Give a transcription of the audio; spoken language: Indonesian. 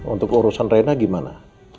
untuk urusan rena gimana